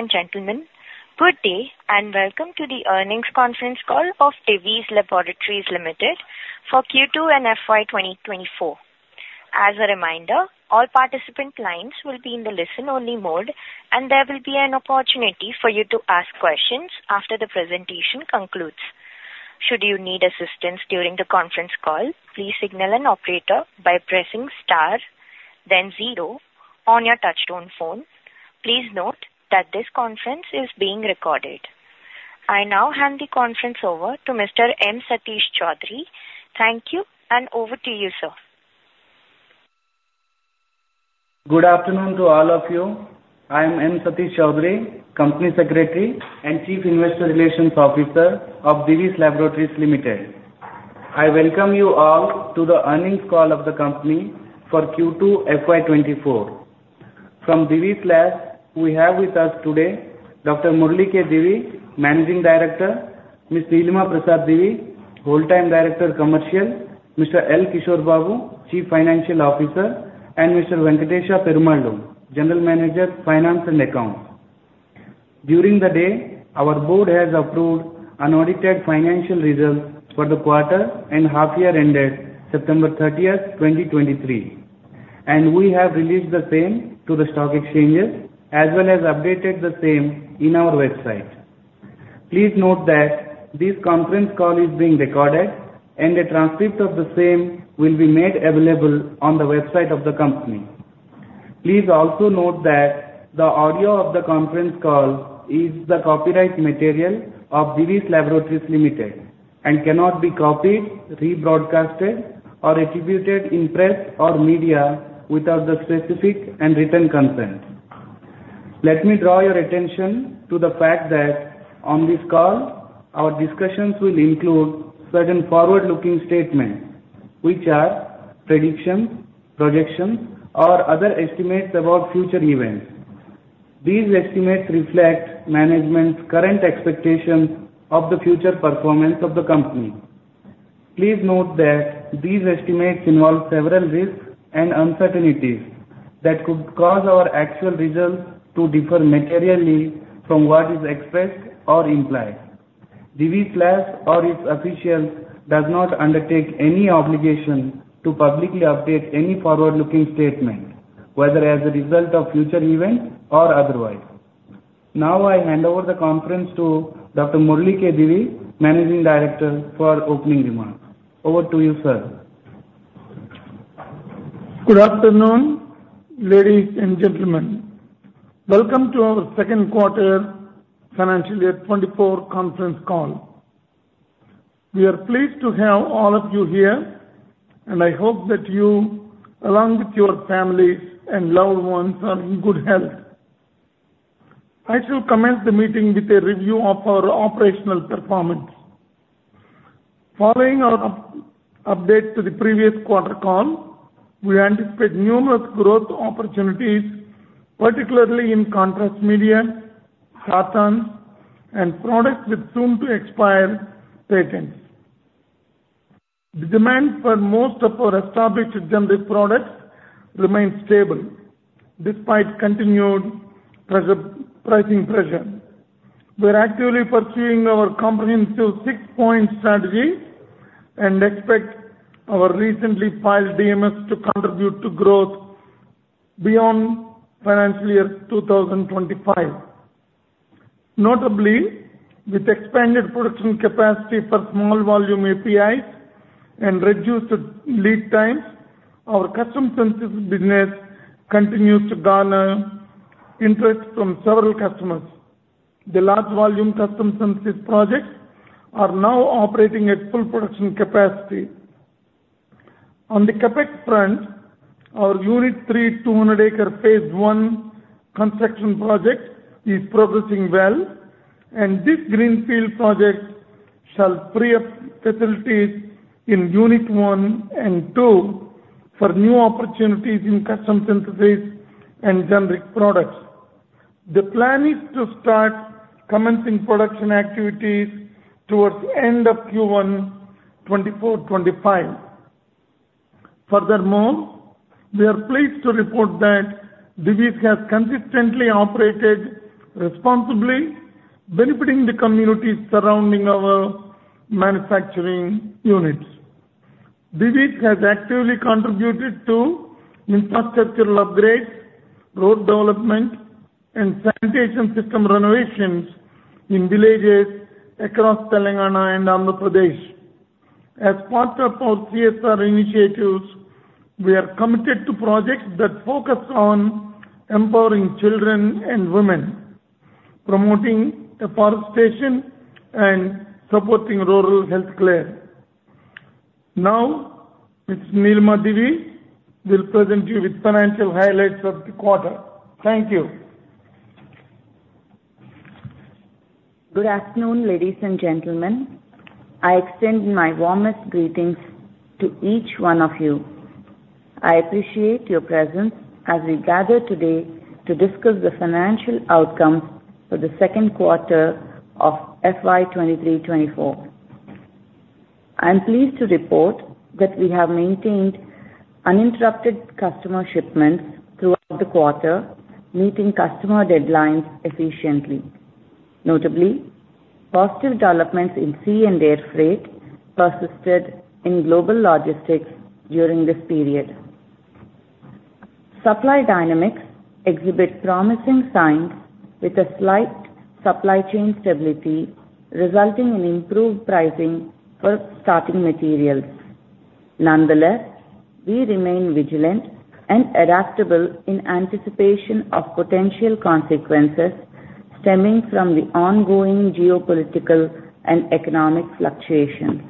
Ladies and gentlemen, good day, and Welcome to the Earnings Conference Call of Divi's Laboratories Limited for Q2 and FY 24. As a reminder, all participant lines will be in the listen-only mode, and there will be an opportunity for you to ask questions after the presentation concludes. Should you need assistance during the conference call, please signal an operator by pressing star then zero on your touchtone phone. Please note that this conference is being recorded. I now hand the conference over to Mr. M. Satish Choudhury. Thank you, and over to you, sir. Good afternoon to all of you. I am M. Satish Choudhury, Company Secretary and Chief Investor relations Officer of Divi's Laboratories Limited. I welcome you all to the earnings call of the company for Q2 FY 24. From Divi's Lab, we have with us today Dr. Murali K. Divi, Managing Director, Ms. Nilima Prasad Divi, full-time director, commercial, Mr. L. Kishore Babu, Chief Financial Officer, and Mr. Venkatesa Perumallu, General Manager, finance and accounts. During the day, our board has approved unaudited financial results for the quarter and half year ended September 30, 2023, and we have released the same to the stock exchanges, as well as updated the same in our website. Please note that this conference call is being recorded, and a transcript of the same will be made available on the website of the company. Please also note that the audio of the conference call is the copyright material of Divi's Laboratories Limited and cannot be copied, rebroadcast or attributed in press or media without the specific and written consent. Let me draw your attention to the fact that on this call, our discussions will include certain forward-looking statements, which are predictions, projections, or other estimates about future events. These estimates reflect management's current expectations of the future performance of the company. Please note that these estimates involve several risks and uncertainties that could cause our actual results to differ materially from what is expressed or implied. Divi's Labs or its officials does not undertake any obligation to publicly update any forward-looking statement, whether as a result of future events or otherwise. Now, I hand over the conference to Dr. Murali K. Divi, Managing Director, for opening remarks. Over to you, sir. Good afternoon, ladies and gentlemen. Welcome to our second quarter financial year 2024 conference call. We are pleased to have all of you here, and I hope that you, along with your families and loved ones, are in good health. I shall commence the meeting with a review of our operational performance. Following our update to the previous quarter call, we anticipate numerous growth opportunities, particularly in contrast media, heartburn, and products with soon-to-expire patents. The demand for most of our established generic products remains stable despite continued pressure, pricing pressure. We're actively pursuing our comprehensive six-point strategy and expect our recently filed DMF to contribute to growth beyond financial year 2025. Notably, with expanded production capacity for small volume APIs and reduced lead times, our custom synthesis business continues to garner interest from several customers. The large volume custom synthesis projects are now operating at full production capacity. On the CapEx front, our Unit Three, 200-acre, phase one construction project is progressing well, and this greenfield project shall free up facilities in Unit One and Two for new opportunities in custom synthesis and generic products. The plan is to start commencing production activities towards the end of Q1 2024-2025. Furthermore, we are pleased to report that Divi's has consistently operated responsibly, benefiting the communities surrounding our manufacturing units. Divi's has actively contributed to infrastructural upgrades, road development, and sanitation system renovations in villages across Telangana and Andhra Pradesh. As part of our CSR initiatives, we are committed to projects that focus on empowering children and women, promoting afforestation and supporting rural healthcare. Now, Ms. Nilima Divi will present you with financial highlights of the quarter. Thank you. Good afternoon, ladies and gentlemen. I extend my warmest greetings to each one of you. I appreciate your presence as we gather today to discuss the financial outcomes for the second quarter of FY 23-24. I'm pleased to report that we have maintained uninterrupted customer shipments throughout the quarter, meeting customer deadlines efficiently. Notably, positive developments in sea and air freight persisted in global logistics during this period. Supply dynamics exhibit promising signs with a slight supply chain stability, resulting in improved pricing for starting materials. Nonetheless, we remain vigilant and adaptable in anticipation of potential consequences stemming from the ongoing geopolitical and economic fluctuations.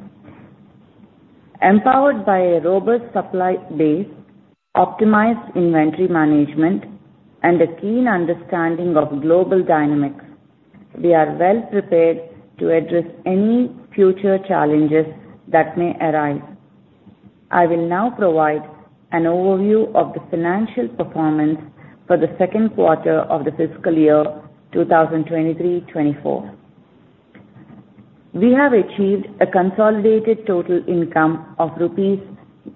Empowered by a robust supply base, optimized inventory management, and a keen understanding of global dynamics, we are well prepared to address any future challenges that may arise. I will now provide an overview of the financial performance for the second quarter of the fiscal year 2023-24. We have achieved a consolidated total income of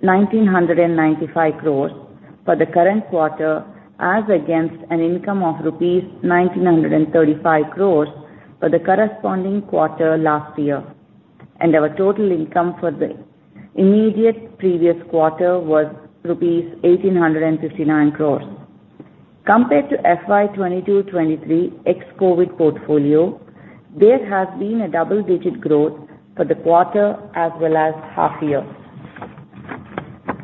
rupees 1,995 crores for the current quarter, as against an income of rupees 1,935 crores for the corresponding quarter last year, and our total income for the immediate previous quarter was rupees 1,859 crores. Compared to FY 22-23 ex-COVID portfolio, there has been a double-digit growth for the quarter as well as half year.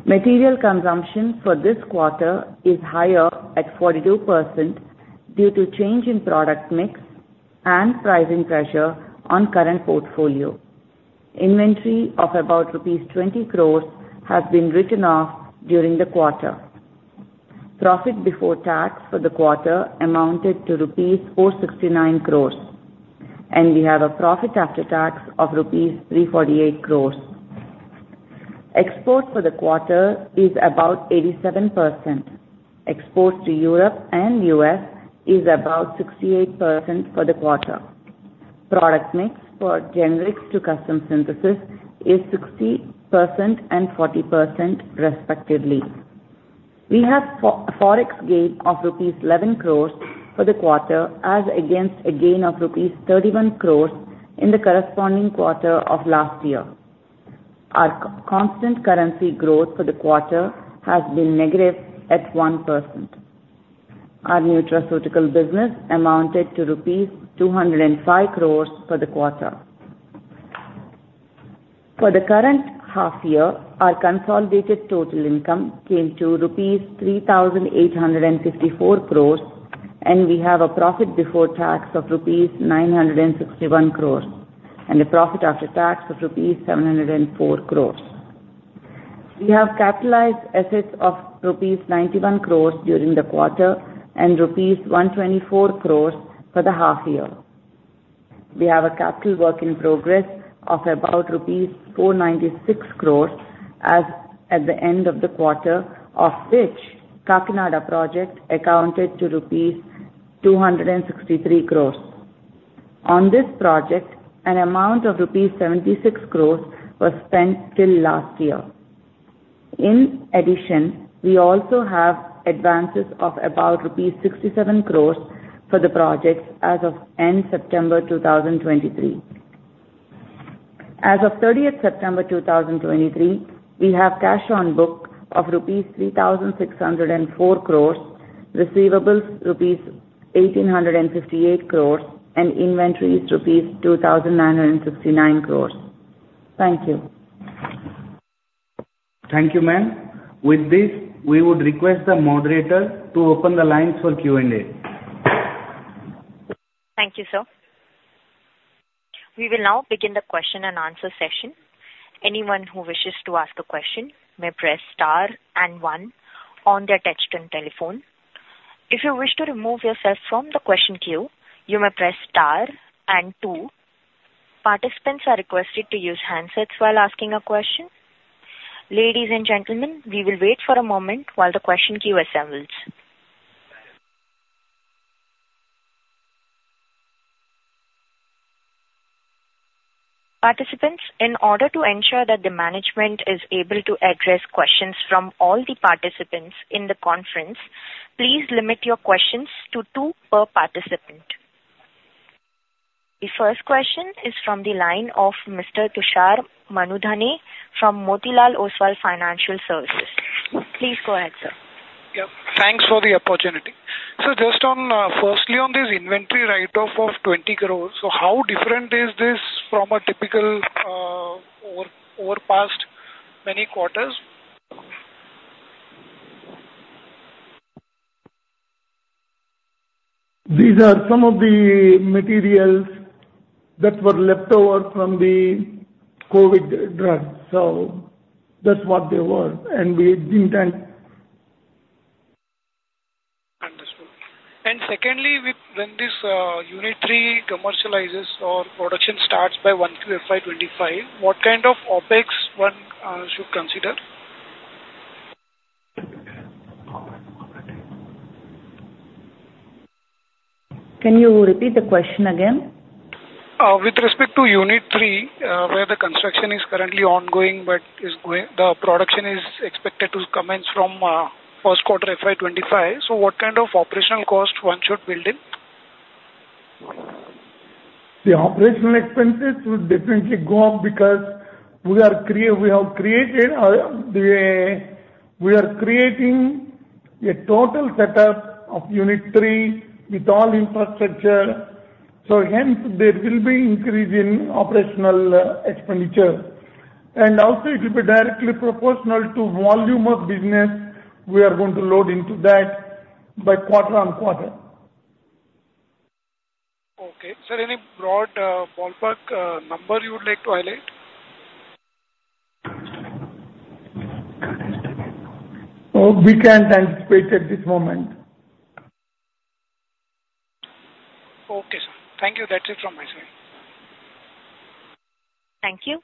Material consumption for this quarter is higher at 42% due to change in product mix and pricing pressure on current portfolio. Inventory of about rupees 20 crores has been written off during the quarter. Profit before tax for the quarter amounted to rupees 469 crore, and we have a profit after tax of rupees 348 crore. Export for the quarter is about 87%. Export to Europe and US is about 68% for the quarter. Product mix for generics to custom synthesis is 60% and 40% respectively. We have Forex gain of rupees 11 crore for the quarter, as against a gain of rupees 31 crore in the corresponding quarter of last year. Our constant currency growth for the quarter has been negative at 1%. Our nutraceutical business amounted to rupees 205 crore for the quarter. For the current half year, our consolidated total income came to rupees 3,854 crores, and we have a profit before tax of rupees 961 crores, and a profit after tax of rupees 704 crores. We have capitalized assets of rupees 91 crores during the quarter and rupees 124 crores for the half year. We have a capital work in progress of about rupees 496 crores as at the end of the quarter, of which Kakinada project accounted to rupees 263 crores. On this project, an amount of rupees 76 crores was spent till last year. In addition, we also have advances of about rupees 67 crores for the projects as of end September 2023. As of 30th September 2023, we have cash on book of rupees 3,604 crore, receivables rupees 1,858 crore, and inventories rupees 2,969 crore. Thank you. Thank you, ma'am. With this, we would request the moderator to open the lines for Q&A. Thank you, sir. We will now begin the question and answer session. Anyone who wishes to ask a question may press star and one on their touchtone telephone. If you wish to remove yourself from the question queue, you may press star and two. Participants are requested to use handsets while asking a question. Ladies and gentlemen, we will wait for a moment while the question queue assembles. Participants, in order to ensure that the management is able to address questions from all the participants in the conference, please limit your questions to two per participant. The first question is from the line of Mr. Tushar Manudhane from Motilal Oswal Financial Services. Please go ahead, sir. Yeah, thanks for the opportunity. So just on, firstly, on this inventory write-off of 20 crore, so how different is this from a typical, over past many quarters? These are some of the materials that were left over from the COVID drugs, so that's what they were, and we didn't then- Understood. And secondly, when this Unit Three commercializes or production starts by 1Q FY 25, what kind of OpEx one should consider?... Can you repeat the question again? With respect to Unit Three, where the construction is currently ongoing, but is going, the production is expected to commence from first quarter FY 2025. So what kind of operational cost one should build in? The operational expenses will definitely go up because we have created, the, we are creating a total setup of Unit Three with all infrastructure, so hence there will be increase in operational, expenditure. And also it will be directly proportional to volume of business we are going to load into that by quarter-on-quarter. Okay. Sir, any broad, ballpark, number you would like to highlight? Oh, we can't anticipate at this moment. Okay, sir. Thank you. That's it from my side. Thank you.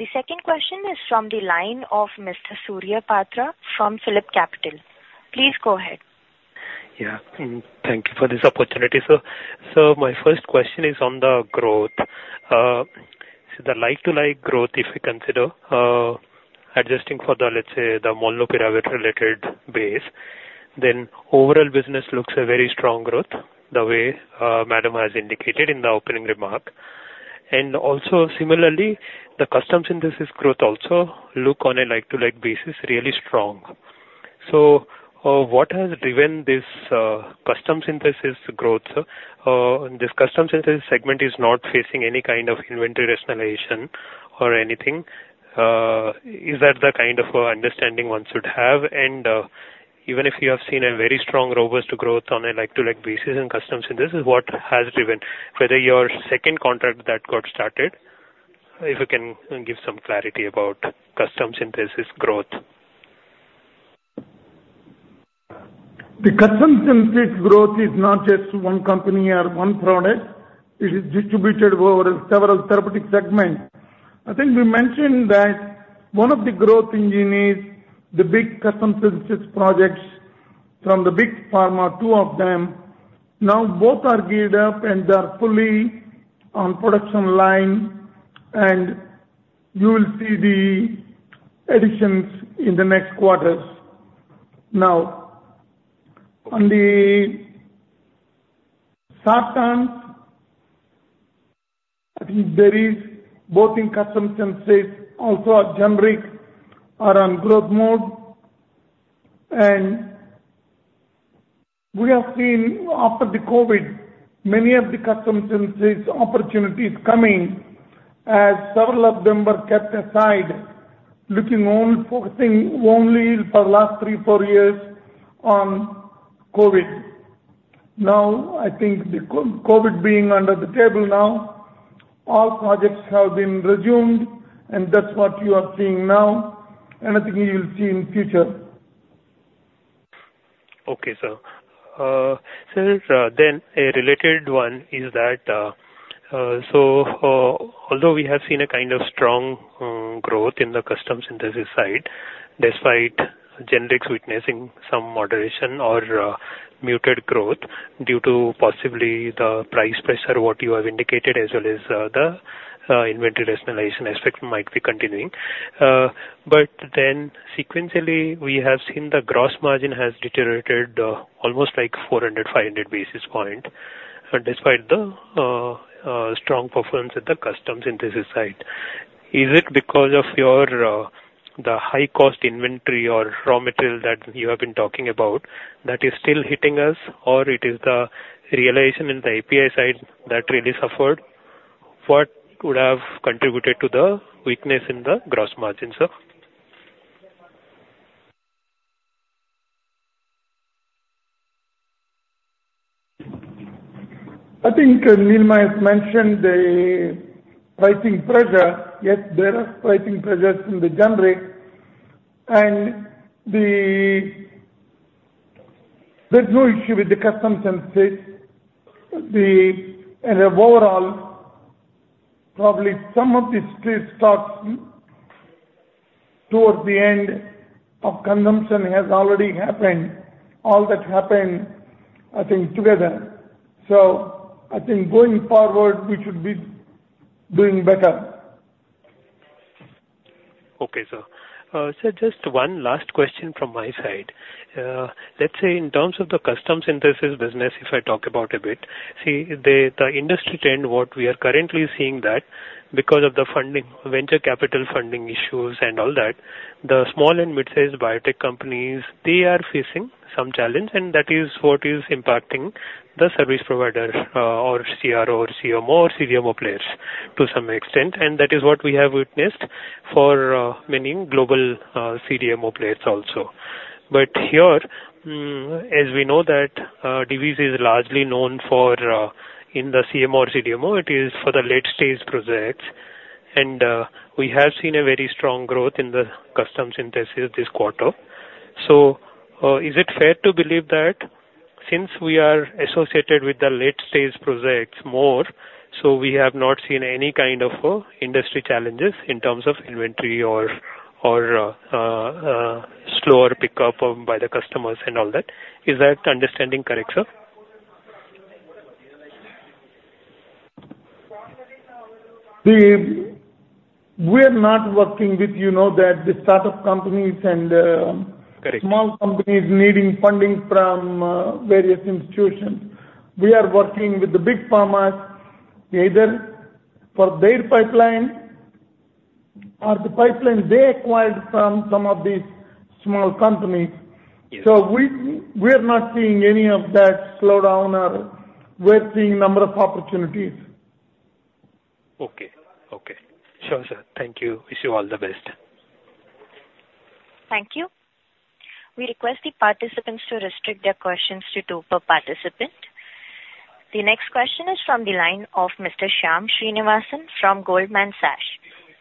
The second question is from the line of Mr. Surya Patra from Phillip Capital. Please go ahead. Yeah. Thank you for this opportunity, sir. So my first question is on the growth. The like-to-like growth, if we consider, adjusting for the, let's say, the Molnupiravir related base, then overall business looks a very strong growth, the way, madam has indicated in the opening remark. And also similarly, the custom synthesis growth also look on a like-to-like basis, really strong. So, what has driven this, custom synthesis growth, sir? This custom synthesis segment is not facing any kind of inventory rationalization or anything. Is that the kind of, understanding one should have? And, even if you have seen a very strong robust growth on a like-to-like basis in custom synthesis, what has driven? Whether your second contract that got started, if you can give some clarity about custom synthesis growth? The custom synthesis growth is not just one company or one product, it is distributed over several therapeutic segments. I think we mentioned that one of the growth engine is the big custom synthesis projects from the Big Pharma, two of them. Now, both are geared up, and they are fully on production line, and you will see the additions in the next quarters. Now, on the second, I think there is both in custom synthesis, also our generics are on growth mode. We have seen after the COVID, many of the custom synthesis opportunities coming, as several of them were kept aside, looking only, focusing only for the last three, four years on COVID. Now, I think the COVID being under the table now, all projects have been resumed, and that's what you are seeing now, and I think you'll see in future. Okay, sir. Sir, then a related one is that, although we have seen a kind of strong growth in the custom synthesis side, despite generics witnessing some moderation or muted growth due to possibly the price pressure, what you have indicated, as well as the inventory rationalization aspect might be continuing. But then sequentially, we have seen the gross margin has deteriorated, almost like 400-500 basis point, despite the strong performance at the custom synthesis side. Is it because of your the high cost inventory or raw material that you have been talking about, that is still hitting us, or it is the realization in the API side that really suffered? What could have contributed to the weakness in the gross margin, sir? I think Nilima has mentioned the pricing pressure. Yes, there are pricing pressures in the generic, and there's no issue with the custom synthesis. And overall, probably some of the stage starts towards the end of consumption has already happened. All that happened, I think, together. So I think going forward, we should be doing better. Okay, sir. Sir, just one last question from my side. Let's say in terms of the custom synthesis business, if I talk about a bit, the industry trend, what we are currently seeing that because of the funding, venture capital funding issues and all that, the small and mid-sized biotech companies, they are facing some challenge, and that is what is impacting the service provider, or CRO or CMO or CDMO players to some extent, and that is what we have witnessed for many global CDMO players also. But here, as we know that Divi's is largely known for in the CMO or CDMO, it is for the late-stage projects, and we have seen a very strong growth in the custom synthesis this quarter. So, is it fair to believe that since we are associated with the late-stage projects, we have not seen any kind of industry challenges in terms of inventory or slower pickup by the customers and all that. Is that understanding correct, sir? We are not working with, you know, that the startup companies and- Correct. Small companies needing funding from various institutions. We are working Big Pharmas, either for their pipeline or the pipeline they acquired from some of these small companies. Yes. We are not seeing any of that slowdown, we're seeing number of opportunities. Okay. Okay. Sure, sir. Thank you. Wish you all the best. Thank you. We request the participants to restrict their questions to two per participant. The next question is from the line of Mr. Shyam Srinivasan from Goldman Sachs.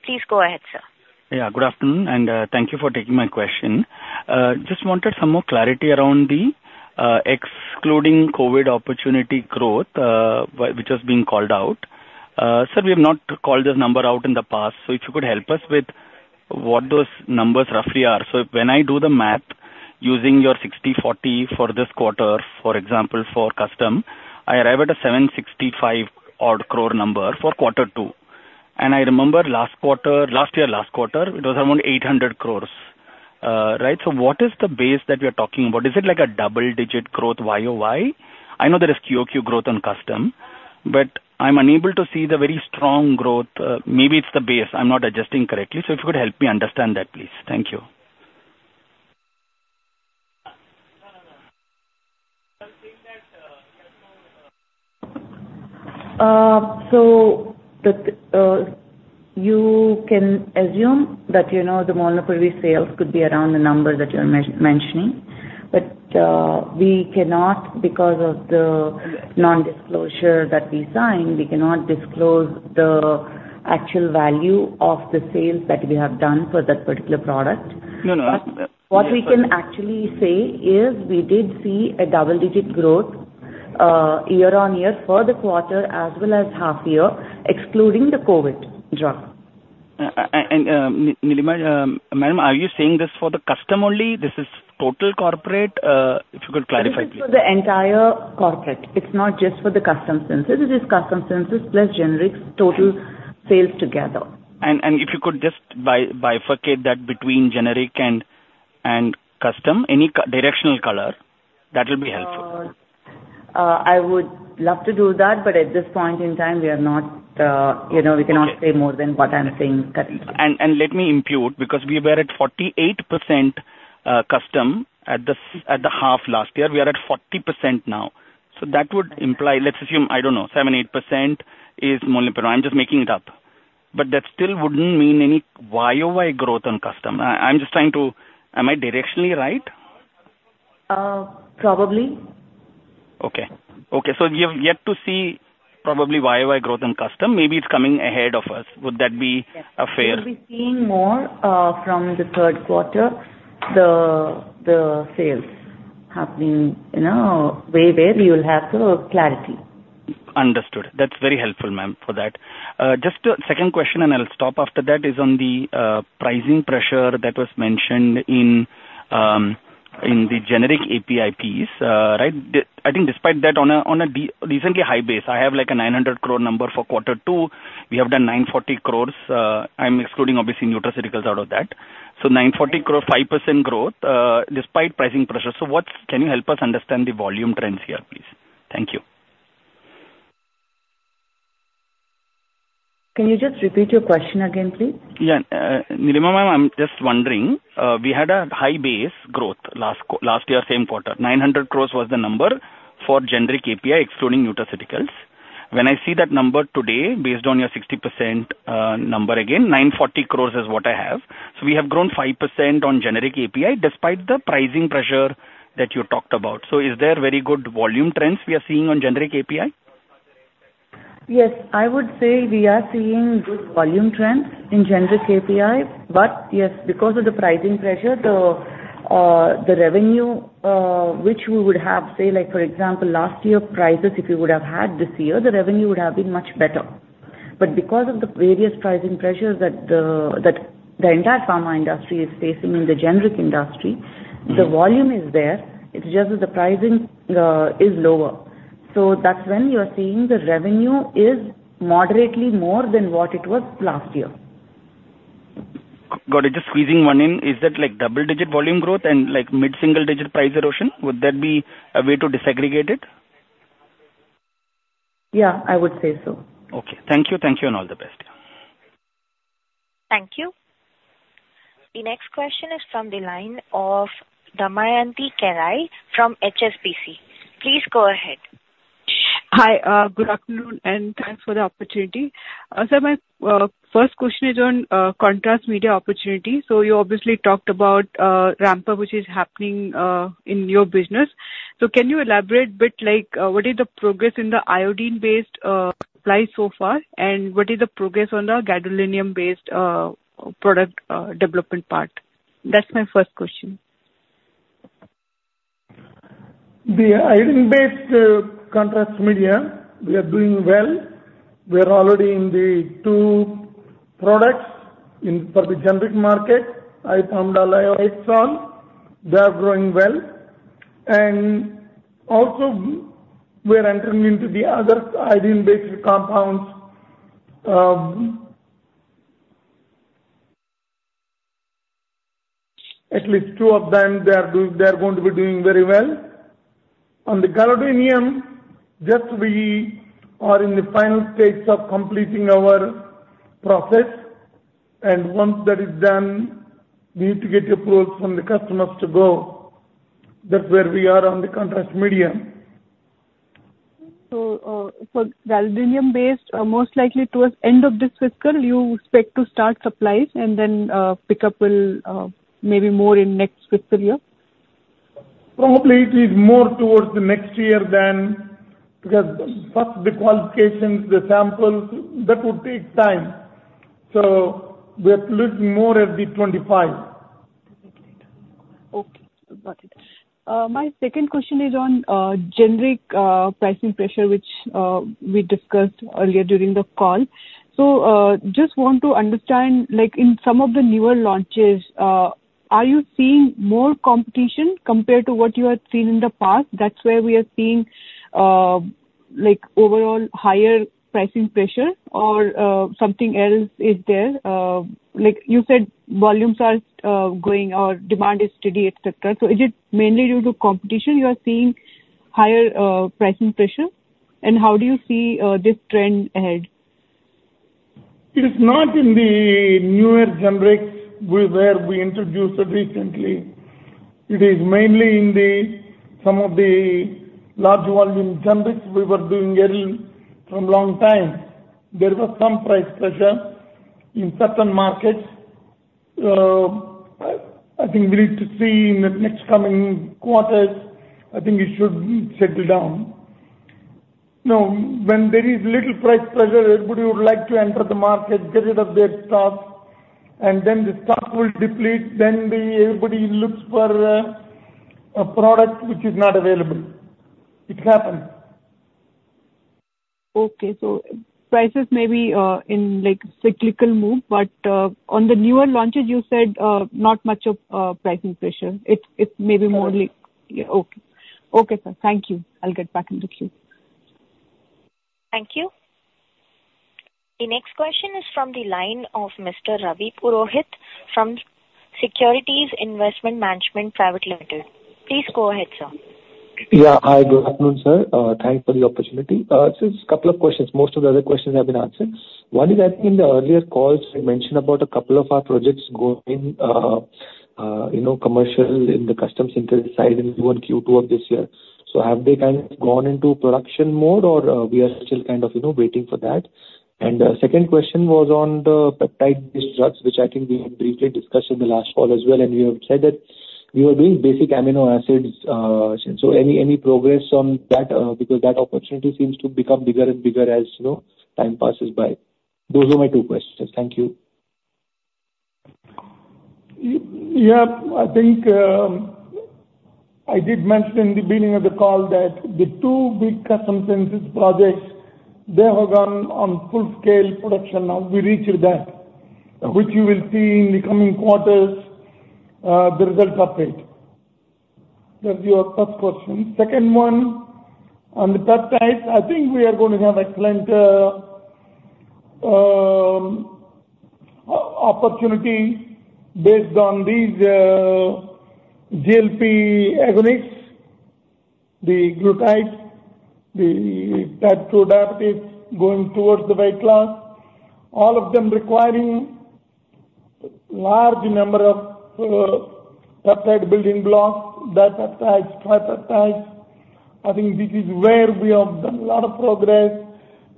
Please go ahead, sir. Yeah, good afternoon, and thank you for taking my question. Just wanted some more clarity around the excluding COVID opportunity growth, which was being called out. So we have not called this number out in the past, so if you could help us with what those numbers roughly are. So when I do the math, using your 60/40 for this quarter, for custom, I arrive at a 765 odd crore number for quarter two. And I remember last quarter, last year, last quarter, it was around 800 crores. Right? So what is the base that we are talking about? Is it like a double-digit growth Y-o-Y? I know there is Q-o-Q growth on custom, but I'm unable to see the very strong growth. Maybe it's the base. I'm not adjusting correctly. So if you could help me understand that, please. Thank you. So, you can assume that, you know, the Molnupiravir sales could be around the number that you're mentioning, but we cannot because of the non-disclosure that we signed, we cannot disclose the actual value of the sales that we have done for that particular product. No, no, that's- What we can actually say is we did see a double-digit growth, year-on-year for the quarter as well as half year, excluding the COVID drug. Nilima, ma'am, are you saying this for the custom only? This is total corporate, if you could clarify, please. This is for the entire corporate. It's not just for the custom synthesis. It is custom synthesis plus generics, total sales together. If you could just bifurcate that between generic and custom, any directional color, that will be helpful. I would love to do that, but at this point in time, we are not, you know- Okay. We cannot say more than what I'm saying currently. Let me impute, because we were at 48% custom at the half last year. We are at 40% now. So that would imply, let's assume, I don't know, 7-8% is molnupiravir. I'm just making it up. But that still wouldn't mean any Y-o-Y growth on custom. I'm just trying to... Am I directionally right? Uh, probably. Okay. Okay, so we have yet to see probably Y-o-Y growth on custom. Maybe it's coming ahead of us. Would that be- Yes. -a fair? You'll be seeing more from the third quarter, the sales happening in a way where you will have the clarity. Understood. That's very helpful, ma'am, for that. Just a second question, and I'll stop after that, is on the, pricing pressure that was mentioned in, in the generic API piece, right? I think despite that, on a, on a recently high base, I have like a 900 crore number for quarter two. We have done 940 crore, I'm excluding obviously nutraceuticals out of that. So 940 crore, 5% growth, despite pricing pressure. So what's... Can you help us understand the volume trends here, please? Thank you. Can you just repeat your question again, please? Yeah. Nilima, ma'am, I'm just wondering, we had a high base growth last year, same quarter. 900 crore was the number for generic API, excluding nutraceuticals. When I see that number today, based on your 60%, number, again, 940 crore is what I have. So we have grown 5% on generic API, despite the pricing pressure that you talked about. So is there very good volume trends we are seeing on generic API? Yes, I would say we are seeing good volume trends in generic API, but yes, because of the pricing pressure, the revenue, which we would have, say, like for example, last year prices, if we would have had this year, the revenue would have been much better. But because of the various pricing pressures that the entire pharma industry is facing in the generic industry, the volume is there, it's just that the pricing is lower. So that's when you're seeing the revenue is moderately more than what it was last year. Got it. Just squeezing one in, is that like double-digit volume growth and like mid-single digit price erosion? Would that be a way to disaggregate it? Yeah, I would say so. Okay. Thank you. Thank you, and all the best. Thank you. The next question is from the line of Damayanti Kerai from HSBC. Please go ahead. Hi, good afternoon, and thanks for the opportunity. So my first question is on contrast media opportunity. So you obviously talked about ramp-up, which is happening in your business. So can you elaborate bit like what is the progress in the iodine-based supply so far? And what is the progress on the gadolinium-based product development part? That's my first question.... The iodine-based contrast media, we are doing well. We are already in the two products for the generic market, Iopamidol and Iohexol, they are growing well. And also, we're entering into the other iodine-based compounds. At least two of them, they are going to be doing very well. On the gadolinium, just we are in the final stages of completing our process, and once that is done, we need to get approval from the customers to go. That's where we are on the contrast medium. So, for gadolinium-based, most likely towards end of this fiscal, you expect to start supplies and then, pickup will, maybe more in next fiscal year? Probably it is more towards the next year than, because first the qualifications, the samples, that would take time. So we are looking more at the 2025. Okay, got it. My second question is on generic pricing pressure, which we discussed earlier during the call. So, just want to understand, like in some of the newer launches, are you seeing more competition compared to what you had seen in the past? That's where we are seeing, like overall higher pricing pressure or something else is there. Like you said, volumes are going or demand is steady, et cetera. So is it mainly due to competition, you are seeing higher pricing pressure? And how do you see this trend ahead? It is not in the newer generics where we introduced it recently. It is mainly in the, some of the large volume generics we were doing early, from long time. There was some price pressure in certain markets. I think we need to see in the next coming quarters, I think it should settle down. Now, when there is little price pressure, everybody would like to enter the market, get rid of their stock, and then the stock will deplete. Then everybody looks for a product which is not available. It happens. Okay, so prices may be in like cyclical move, but on the newer launches, you said not much of pricing pressure. It may be more like- Correct. Yeah, okay. Okay, sir. Thank you. I'll get back in the queue. Thank you. The next question is from the line of Mr. Ravi Purohit from Securities Investment Management Private Limited. Please go ahead, sir. Yeah. Hi, good afternoon, sir. Thanks for the opportunity. Just couple of questions. Most of the other questions have been answered. One is, I think in the earlier calls, you mentioned about a couple of our projects going, you know, commercial in the custom synthesis side in Q1, Q2 of this year. So have they kind of gone into production mode or, we are still kind of, you know, waiting for that? And second question was on the peptide drugs, which I think we had briefly discussed in the last call as well, and you had said that we were doing basic amino acids, so any, any progress on that? Because that opportunity seems to become bigger and bigger as, you know, time passes by. Those are my two questions. Thank you. Yeah, I think I did mention in the beginning of the call that the 2 big custom synthesis projects, they have gone on full scale production now. We reached that, which you will see in the coming quarters, the results of it. That's your first question. Second one, on the peptides, I think we are going to have excellent opportunity based on these GLP agonists, the glutides, the type 2 diabetes going towards the weight loss. All of them requiring large number of peptide building blocks, dipeptides, tripeptides. I think this is where we have done a lot of progress,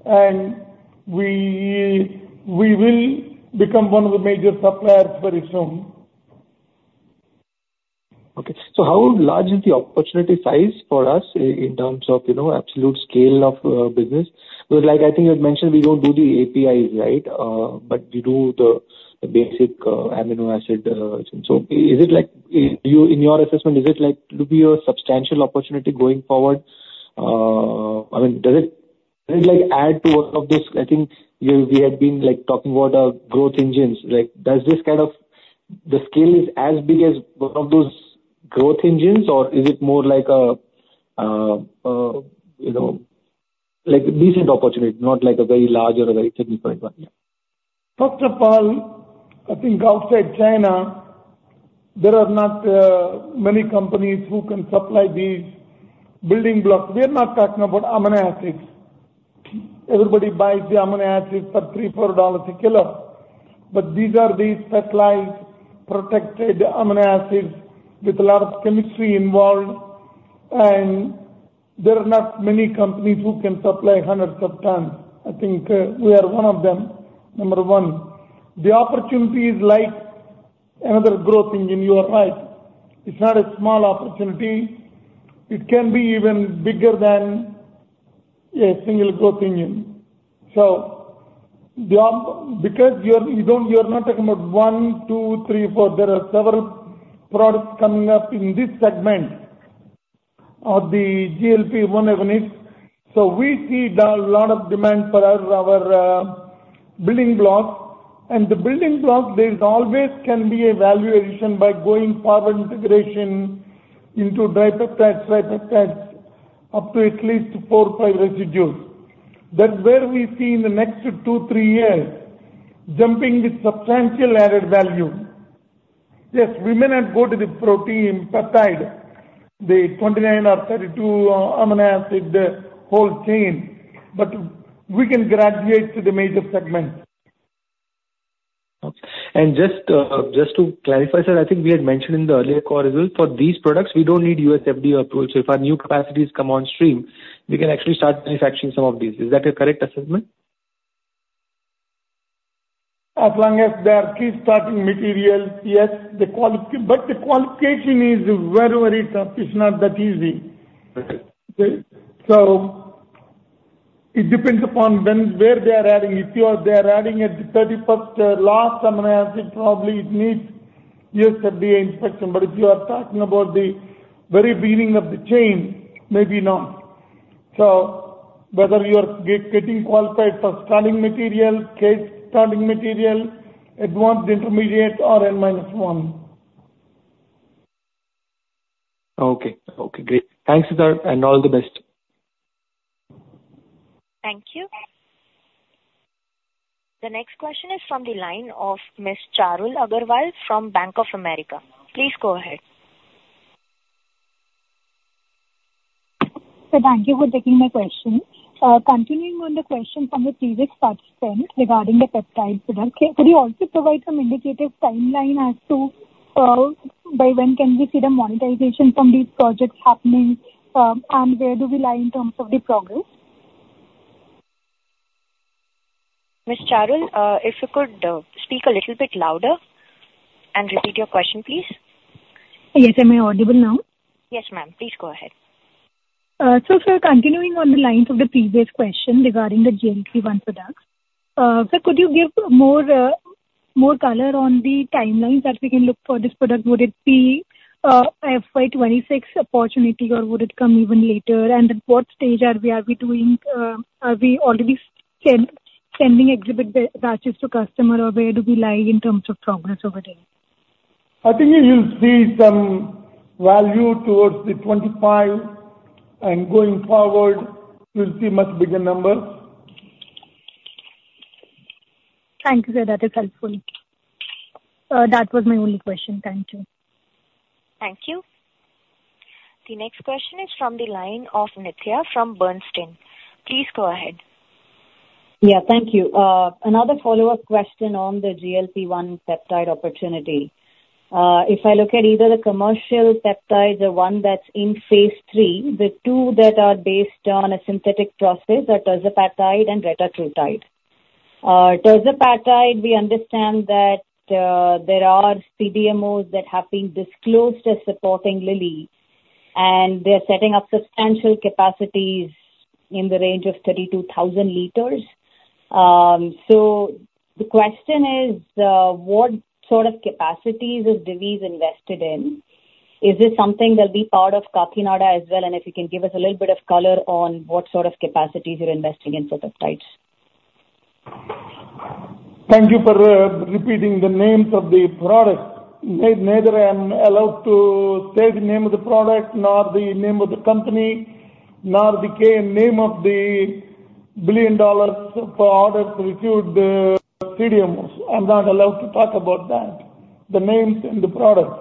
and we will become one of the major suppliers very soon. Okay. So how large is the opportunity size for us in terms of, you know, absolute scale of business? Because, like I think you had mentioned, we don't do the APIs, right? But we do the basic amino acid, and so is it like, in your assessment, is it like to be a substantial opportunity going forward? I mean, does it like add to one of those, I think we had been, like, talking about our growth engines. Like, does this kind of... The scale is as big as one of those growth engines, or is it more like a, you know, like a decent opportunity, not like a very large or a very significant one? Yeah. First of all, I think outside China, there are not many companies who can supply these building blocks. We are not talking about amino acids. Everybody buys the amino acids for $3-$4 a kilo. But these are the peptide-protected amino acids with a lot of chemistry involved, and there are not many companies who can supply hundreds of tons. I think we are one of them, number one. The opportunity is like another growth engine, you are right. It's not a small opportunity. It can be even bigger than a single protein unit. So the arm, because you're, you don't, you're not talking about 1, 2, 3, 4, there are several products coming up in this segment of the GLP-1 agonists. So we see there are a lot of demand for our building blocks. The building blocks, there is always can be a value addition by going forward integration into dipeptides, dipeptides up to at least four or five residues. That's where we see in the next two, three years, jumping with substantial added value. Yes, we may not go to the protein peptide, the 29 or 32 amino acid, the whole chain, but we can graduate to the major segment. Okay. And just, just to clarify, sir, I think we had mentioned in the earlier call results, for these products, we don't need USFDA approval. So if our new capacities come on stream, we can actually start manufacturing some of these. Is that a correct assessment? As long as they are key starting materials, yes, the quality, but the qualification is very, very tough. It's not that easy. Right. So it depends upon when, where they are adding. If you are, they are adding at the 31st, last amino acid, probably it needs USFDA inspection. But if you are talking about the very beginning of the chain, maybe not. So whether you are getting qualified for starting material, key starting material, advanced intermediate, or N minus one. Okay. Okay, great. Thanks, Siddharth, and all the best. Thank you. The next question is from the line of Ms. Charul Agrawal from Bank of America. Please go ahead. Sir, thank you for taking my question. Continuing on the question from the previous participant regarding the peptide product, could you also provide some indicative timeline as to, by when can we see the monetization from these projects happening, and where do we lie in terms of the progress? Ms. Charul, if you could speak a little bit louder and repeat your question, please? Yes, am I audible now? Yes, ma'am. Please go ahead. So, sir, continuing on the lines of the previous question regarding the GLP-1 products, sir, could you give more, more color on the timelines that we can look for this product? Would it be, FY 26 opportunity, or would it come even later? And at what stage are we doing... Are we already sending exhibit batches to customer, or where do we lie in terms of progress over there? I think you'll see some value towards the 25, and going forward, you'll see much bigger numbers. Thank you, sir. That is helpful. That was my only question. Thank you. Thank you. The next question is from the line of Nitya from Bernstein. Please go ahead. Yeah, thank you. Another follow-up question on the GLP-1 peptide opportunity. If I look at either the commercial peptides or one that's in phase three, the two that are based on a synthetic process are Tirzepatide and Retatrutide. Tirzepatide, we understand that, there are CDMOs that have been disclosed as supporting Lilly, and they're setting up substantial capacities in the range of 32,000 liters. So the question is, what sort of capacities is Divi's invested in? Is this something that will be part of Kakinada as well? And if you can give us a little bit of color on what sort of capacities you're investing in for peptides. Thank you for repeating the names of the products. Neither I'm allowed to say the name of the product, nor the name of the company, nor the name of the billion dollars products which use the CDMOs. I'm not allowed to talk about that, the names and the products.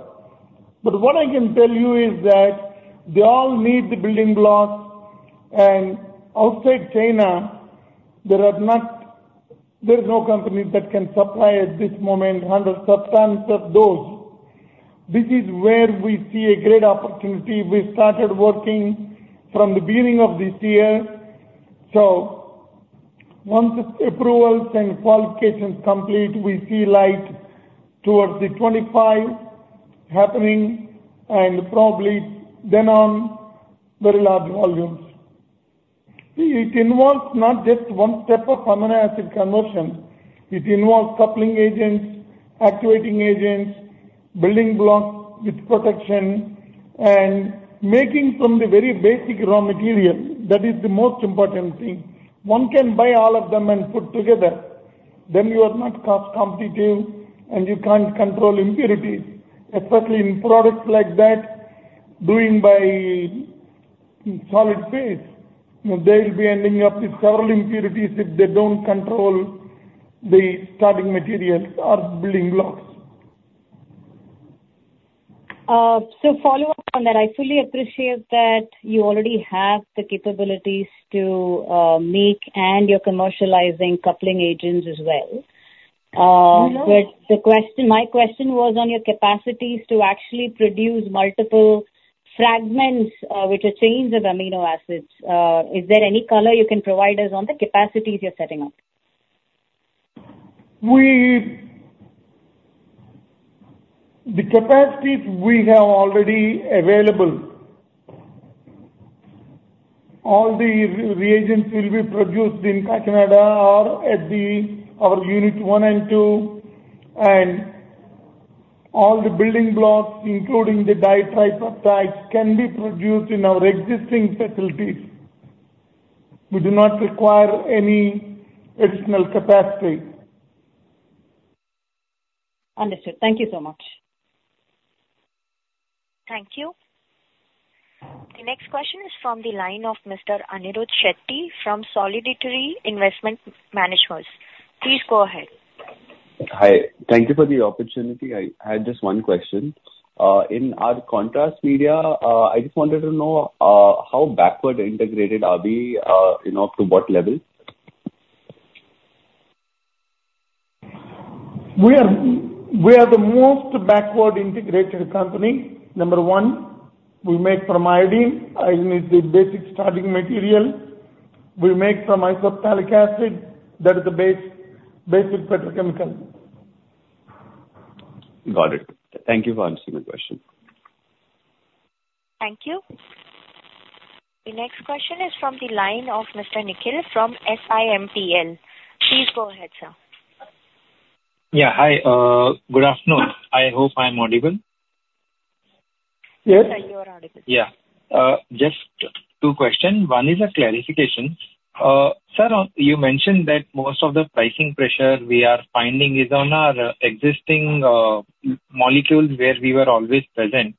But what I can tell you is that they all need the building blocks, and outside China, there is no company that can supply at this moment hundred substantive dose. This is where we see a great opportunity. We started working from the beginning of this year. So once the approvals and qualifications complete, we see light towards the 2025 happening, and probably then on, very large volumes. It involves not just one step of amino acid conversion. It involves coupling agents, actuating agents, building blocks with protection, and making from the very basic raw material. That is the most important thing. One can buy all of them and put together, then you are not cost competitive, and you can't control impurities, especially in products like that, doing by solid phase. They'll be ending up with several impurities if they don't control the starting materials or building blocks. So, follow up on that, I fully appreciate that you already have the capabilities to make and you're commercializing coupling agents as well. Mm-hmm. But the question, my question was on your capacities to actually produce multiple fragments, which are chains of amino acids. Is there any color you can provide us on the capacities you're setting up? The capacities we have already available, all the reagents will be produced in Kakinada or at our unit one and two, and all the building blocks, including the dipeptide peptides, can be produced in our existing facilities. We do not require any additional capacity. Understood. Thank you so much. Thank you. The next question is from the line of Mr. Anirudh Shetty from Solidarity Investment Managers. Please go ahead. Hi. Thank you for the opportunity. I have just one question. In our contrast media, I just wanted to know, how backward integrated are we, you know, to what level? We are the most backward integrated company. Number one, we make from iodine. Iodine is the basic starting material. We make from isophthalic acid. That is the basic petrochemical. Got it. Thank you for answering the question. Thank you. The next question is from the line of Mr. Nikhil from SiMPL. Please go ahead, sir. Yeah. Hi, good afternoon. I hope I'm audible. Yes. Sir, you are audible. Yeah. Just two questions. One is a clarification. Sir, on... You mentioned that most of the pricing pressure we are finding is on our existing, molecules, where we were always present.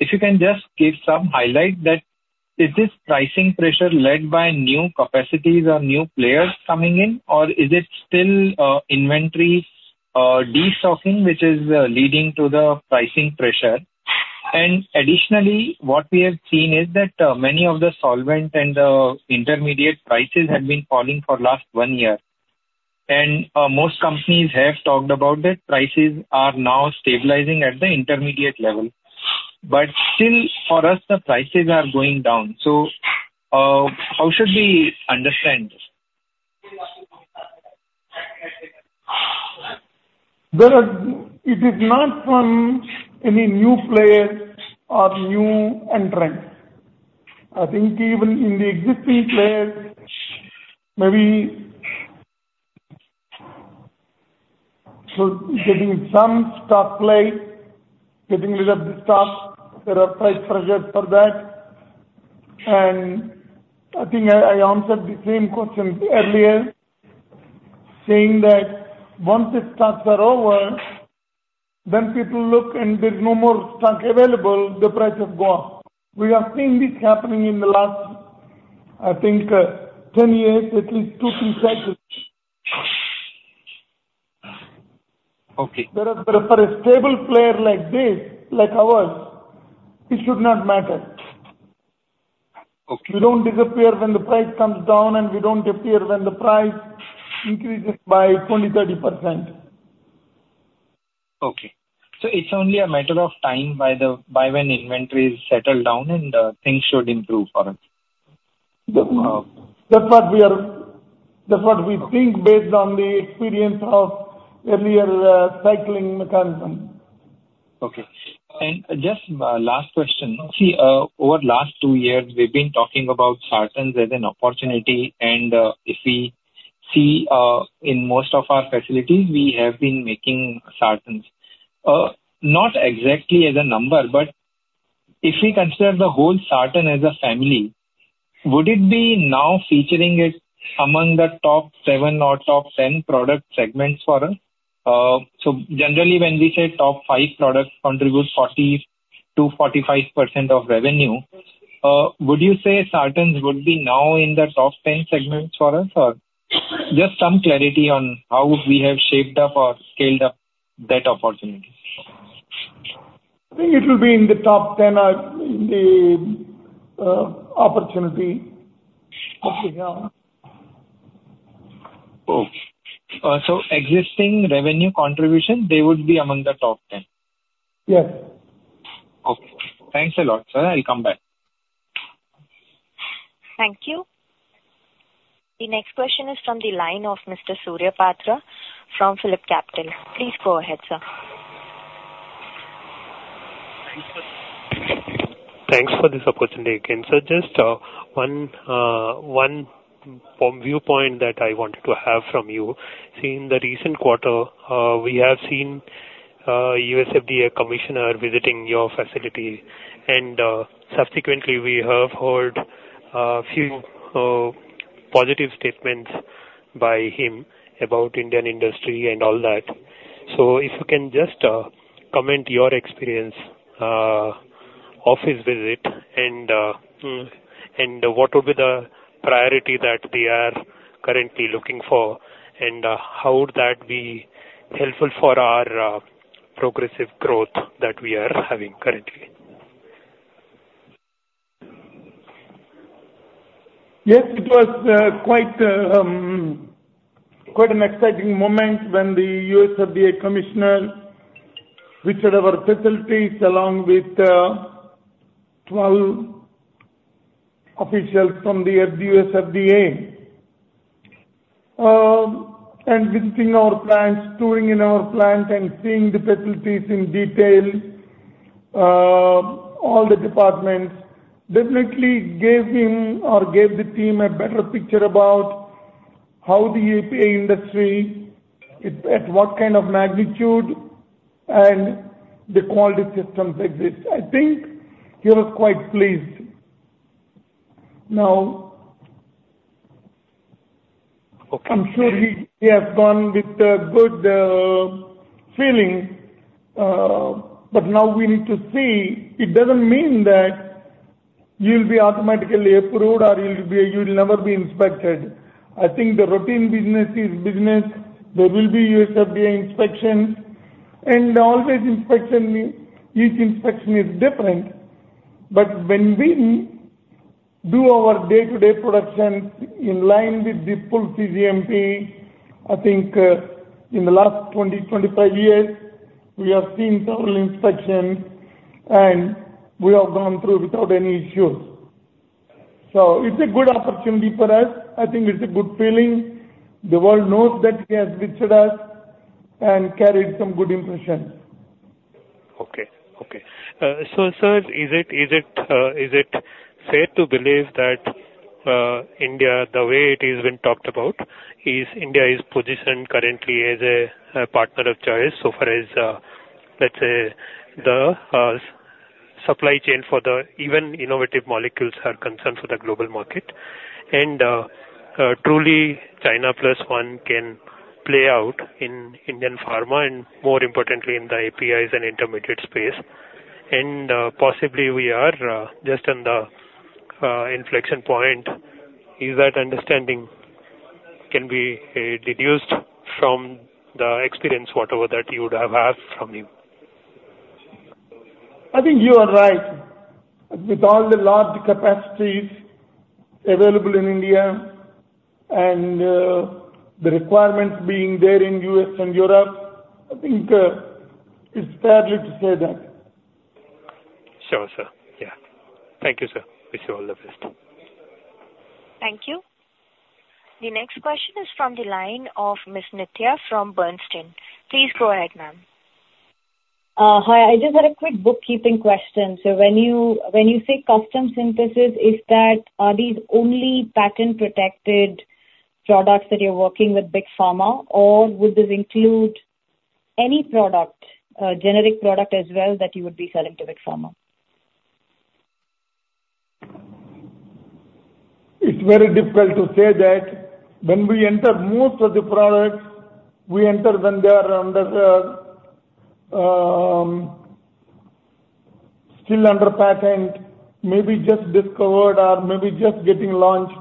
If you can just give some highlight that, is this pricing pressure led by new capacities or new players coming in, or is it still, inventory, destocking, which is, leading to the pricing pressure? And additionally, what we have seen is that, many of the solvent and, intermediate prices had been falling for last one year. And, most companies have talked about that prices are now stabilizing at the intermediate level, but still, for us, the prices are going down. So, how should we understand this? It is not from any new players or new entrants. I think even in the existing players, maybe so getting some stock play, getting rid of the stock, there are price pressures for that. And I think I answered the same question earlier, saying that once the stocks are over, then people look, and there's no more stock available, the price will go up. We have seen this happening in the last, I think, 10 years, at least two, three cycles. Okay. But, for a stable player like this, like ours, it should not matter. Okay. We don't disappear when the price comes down, and we don't appear when the price increases by 20, 30%. Okay. So it's only a matter of time by the, by when inventories settle down and things should improve for us? That's what we are... That's what we think based on the experience of earlier cycling mechanism. Okay. And just, last question. See, over last two years, we've been talking about Sartans as an opportunity, and, if we see, in most of our facilities, we have been making Sartans. Not exactly as a number, but if we consider the whole Sartan as a family, would it be now featuring it among the top seven or top 10 product segments for us? So generally, when we say top five products contribute 40%-45% of revenue, would you say Sartans would be now in the top 10 segments for us? Or just some clarity on how we have shaped up or scaled up that opportunity. I think it will be in the top 10 are in the opportunity, yeah. Oh. So existing revenue contribution, they would be among the top ten? Yes. Okay. Thanks a lot, sir. I'll come back. Thank you. The next question is from the line of Mr. Surya Patra from Phillip Capital. Please go ahead, sir. Thanks for, thanks for this opportunity again. So just, one, one from viewpoint that I wanted to have from you. See, in the recent quarter, we have seen, USFDA commissioner visiting your facility, and, subsequently, we have heard a few, positive statements by him about Indian industry and all that. So if you can just, comment your experience, of his visit and, and what would be the priority that we are currently looking for, and, how would that be helpful for our, progressive growth that we are having currently? Yes, it was quite, quite an exciting moment when the USFDA commissioner visited our facilities along with twelve officials from the USFDA... and visiting our plants, touring in our plant and seeing the facilities in detail, all the departments, definitely gave him or gave the team a better picture about how the API industry, it, at what kind of magnitude and the quality systems exist. I think he was quite pleased. Now- Okay. I'm sure he has gone with a good feeling, but now we need to see. It doesn't mean that you'll be automatically approved or you'll never be inspected. I think the routine business is business. There will be USFDA inspections, and always inspection is, each inspection is different. But when we do our day-to-day productions in line with the full CGMP, I think, in the last 20-25 years, we have seen several inspections, and we have gone through without any issues. So it's a good opportunity for us. I think it's a good feeling. The world knows that he has visited us and carried some good impressions. Okay. So sir, is it fair to believe that India, the way it has been talked about, is positioned currently as a partner of choice so far as, let's say, the supply chain for even innovative molecules are concerned for the global market? And truly, China plus one can play out in Indian pharma and more importantly, in the APIs and intermediate space, and possibly we are just on the inflection point. Is that understanding can be deduced from the experience, whatever that you would have had from him? I think you are right. With all the large capacities available in India and the requirements being there in US and Europe, I think, it's fair to say that. Sure, sir. Yeah. Thank you, sir. Wish you all the best. Thank you. The next question is from the line of Ms. Nitya from Bernstein. Please go ahead, ma'am. Hi, I just had a quick bookkeeping question. So when you, when you say custom synthesis, is that, are these only patent-protected products that you're working with Big Pharma, or would this include any product, generic product as well, that you would be selling to Big Pharma? It's very difficult to say that. When we enter most of the products, we enter when they are under the still under patent, maybe just discovered or maybe just getting launched.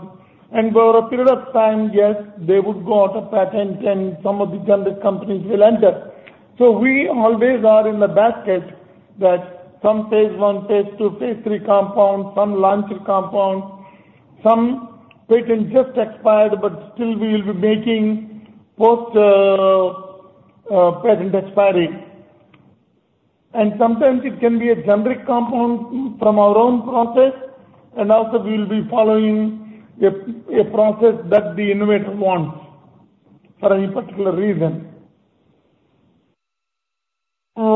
And for a period of time, yes, they would go out of patent and some of the generic companies will enter. So we always are in the basket that some phase one, phase two, phase three compound, some launched compound, some patent just expired, but still we will be making post patent expiry. And sometimes it can be a generic compound from our own process, and also we will be following a process that the innovator wants for any particular reason.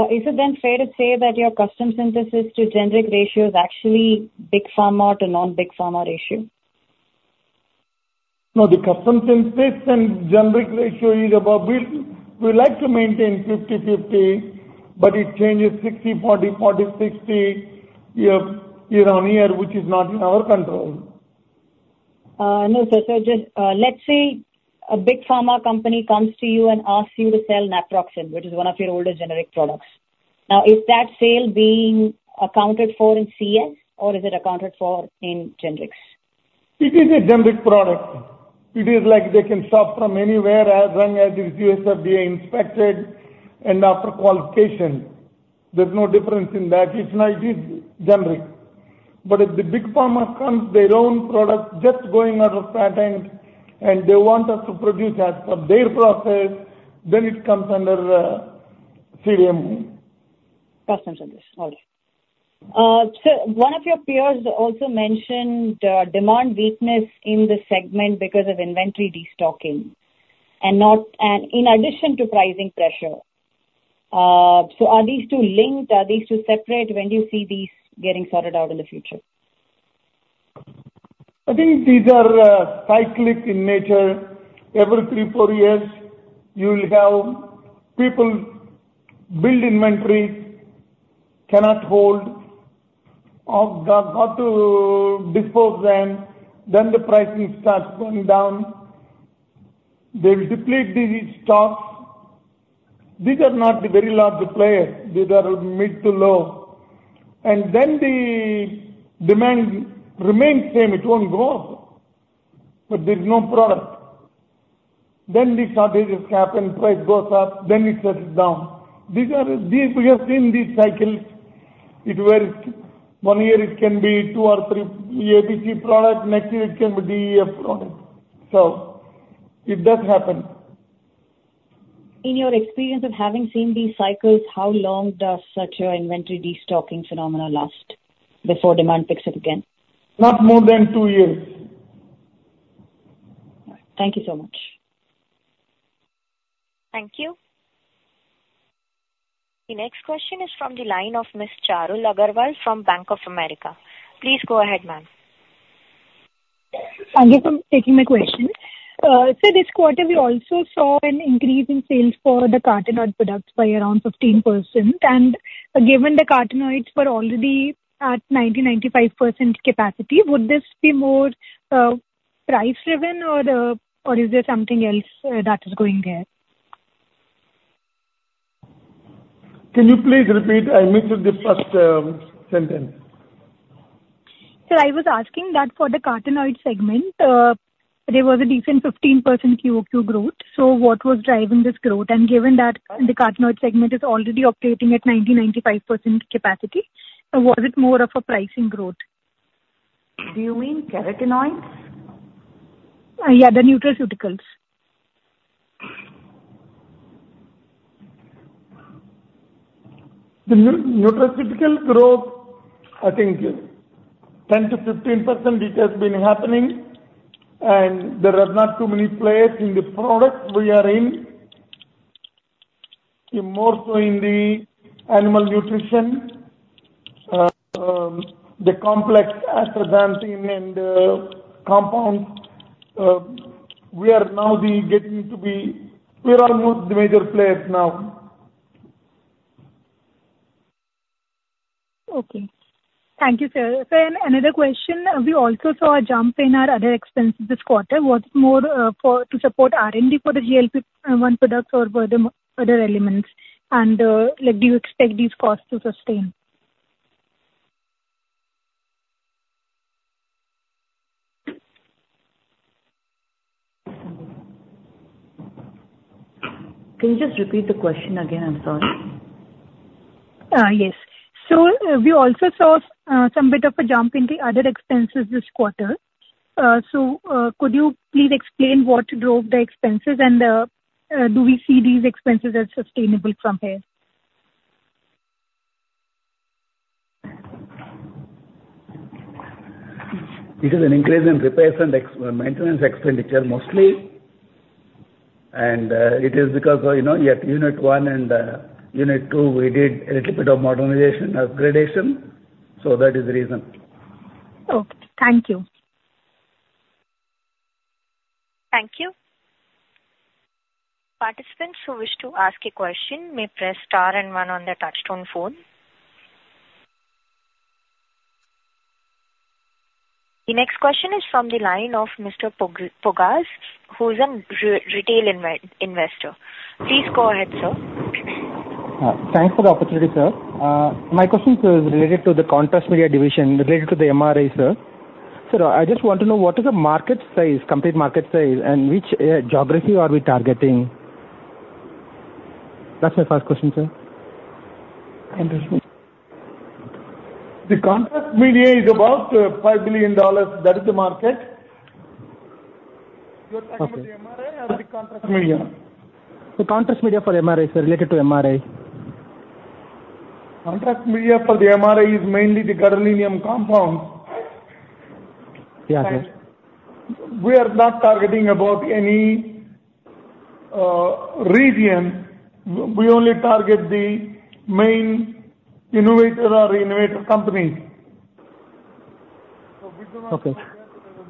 Is it then fair to say that your custom synthesis to generic ratio is actually Big Pharma to non-Big Pharma ratio? No, the custom synthesis and generic ratio is about. We like to maintain 50/50, but it changes 60/40, 40/60, year-on-year, which is not in our control. No, sir. So just, let's say a Big Pharma company comes to you and asks you to sell Naproxen, which is one of your oldest generic products. Now, is that sale being accounted for in CS, or is it accounted for in generics? It is a generic product. It is like they can shop from anywhere as long as it is USFDA inspected and after qualification. There's no difference in that. It's like it is generic. But if the Big Pharma comes, their own product just going out of patent, and they want us to produce as per their process, then it comes under, CSM. Custom synthesis. Got it. So one of your peers also mentioned demand weakness in the segment because of inventory destocking and not... and in addition to pricing pressure. So are these two linked? Are these two separate? When do you see these getting sorted out in the future? I think these are, cyclic in nature. Every three, four years, you will have people build inventory, cannot hold, or got, got to dispose them, then the pricing starts going down. They will deplete the stocks. These are not the very large players. These are mid to low. And then the demand remains same. It won't grow, but there's no product. Then the shortages happen, price goes up, then it settles down. These are the... We have seen these cycles. It works. One year it can be two or three A, B, C product. Next year it can be D, E, F product. So it does happen. ...In your experience of having seen these cycles, how long does such an inventory destocking phenomena last before demand picks up again? Not more than 2 years. Thank you so much. Thank you. The next question is from the line of Ms. Charul Agarwal from Bank of America. Please go ahead, ma'am. Thank you for taking my question. Sir, this quarter we also saw an increase in sales for the carotenoid products by around 15%, and given the carotenoids were already at 90%-95% capacity, would this be more price driven or is there something else that is going there? Can you please repeat? I missed the first sentence. Sir, I was asking that for the carotenoid segment, there was a decent 15% QOQ growth. So what was driving this growth? And given that the carotenoid segment is already operating at 90%-95% capacity, was it more of a pricing growth? Do you mean carotenoids? Yeah, the nutraceuticals. The nutraceutical growth, I think 10%-15%, which has been happening, and there are not too many players in the product we are in. More so in the animal nutrition, the complex astaxanthin and compound, we are now getting to be... We are almost the major players now. Okay. Thank you, sir. Sir, another question, we also saw a jump in our other expenses this quarter. What's more, to support R&D for the GLP-1 products or for the other elements? And, like, do you expect these costs to sustain? Can you just repeat the question again? I'm sorry. Yes. So we also saw some bit of a jump in the other expenses this quarter. So, could you please explain what drove the expenses, and, do we see these expenses as sustainable from here? It is an increase in repairs and maintenance expenditure, mostly. And, it is because, you know, at unit one and unit two, we did a little bit of modernization, upgradation, so that is the reason. Okay. Thank you. Thank you. Participants who wish to ask a question may press star and one on their touchtone phone. The next question is from the line of Mr. Pogas, who is a retail investor. Please go ahead, sir. Thanks for the opportunity, sir. My question, sir, is related to the contrast media division, related to the MRI, sir. Sir, I just want to know what is the market size, complete market size, and which geography are we targeting? That's my first question, sir. The contrast media is about $5 billion, that is the market. You're talking about the MRI or the contrast media? The contrast media for MRI, sir, related to MRI. Contrast media for the MRI is mainly the gadolinium compound. Yeah, sir. We are not targeting about any region. We only target the main innovator or innovator company. Okay.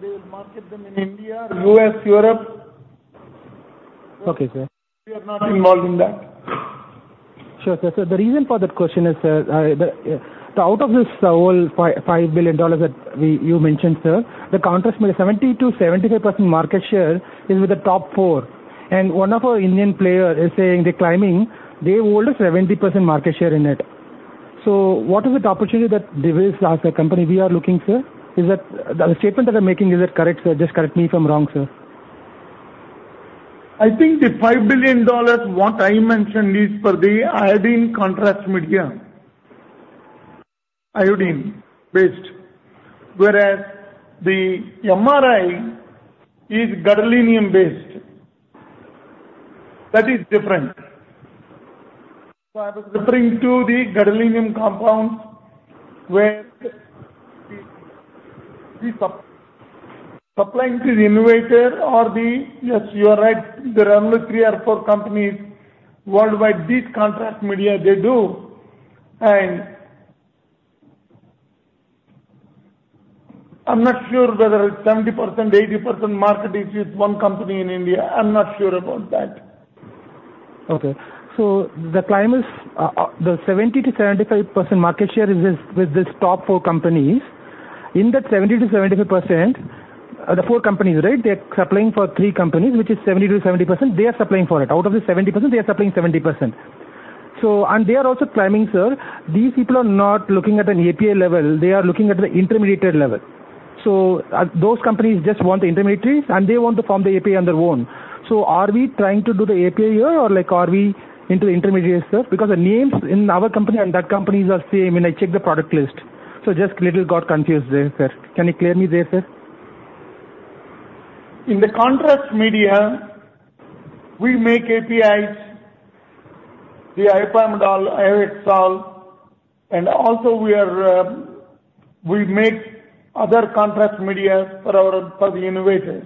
They will market them in India, U.S., Europe. Okay, sir. We are not involved in that. Sure, sir. So the reason for that question is, the out of this whole $5.5 billion that we—you mentioned, sir, the contrast media, 70%-75% market share is with the top four. And one of our Indian player is saying they're claiming they hold a 70% market share in it. So what is the opportunity that Divi's, as a company, we are looking, sir? Is that... The statement that I'm making, is that correct, sir? Just correct me if I'm wrong, sir. I think the $5 billion what I mentioned is for the iodine contrast media, iodine-based, whereas the MRI is gadolinium-based. That is different. So I was referring to the gadolinium compound, where the supplying to the innovator or the... Yes, you are right. There are only three or four companies worldwide. This contrast media, they do, and I'm not sure whether it's 70%, 80% market is with one company in India. I'm not sure about that. Okay. So the claim is, the 70%-75% market share is with this top four companies. In that 70%-75%, the four companies, right? They're supplying for three companies, which is 70%-70%, they are supplying for it. Out of the 70%, they are supplying 70%. So and they are also claiming, sir, these people are not looking at an API level, they are looking at the intermediate level. So, those companies just want the intermediates, and they want to form the API on their own. So are we trying to do the API here, or like are we into the intermediates, sir? Because the names in our company and that companies are same, and I checked the product list. So just little got confused there, sir. Can you clear me there, sir? In the contrast media, we make APIs, the Iohexol, and also we are, we make other contrast media for our, for the innovators.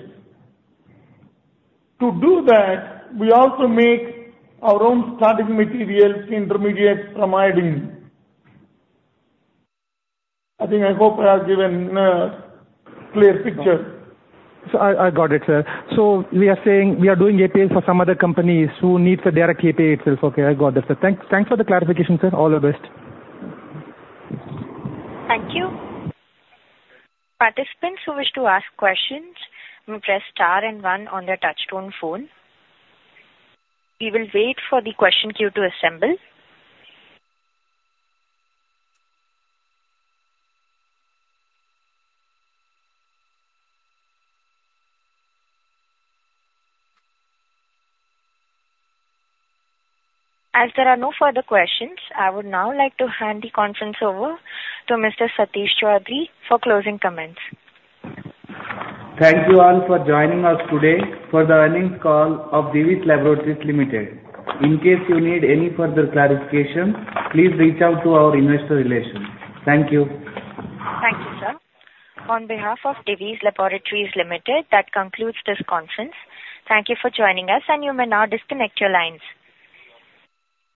To do that, we also make our own starting materials, intermediates from iodine. I think, I hope I have given a clear picture. I got it, sir. So we are saying we are doing API for some other companies who need for their API itself. Okay, I got that, sir. Thanks for the clarification, sir. All the best. Thank you. Participants who wish to ask questions may press star and one on their touchtone phone. We will wait for the question queue to assemble. As there are no further questions, I would now like to hand the conference over to Mr. Satish Choudhury for closing comments. Thank you all for joining us today for the earnings call of Divi's Laboratories Limited. In case you need any further clarification, please reach out to our investor relations. Thank you. Thank you, sir. On behalf of Divi's Laboratories Limited, that concludes this conference. Thank you for joining us, and you may now disconnect your lines.